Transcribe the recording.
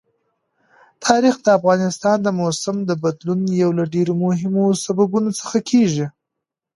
تاریخ د افغانستان د موسم د بدلون یو له ډېرو مهمو سببونو څخه کېږي.